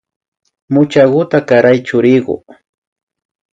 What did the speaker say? Muchakuta karaway churiku